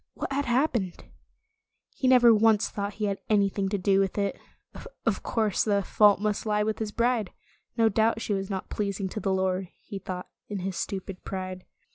What had hap pened He never once thought he had anything to do with it. Of course, the fault must lie with his bride. No doubt she was not pleasing to the Lord, he thought in his stupid pride.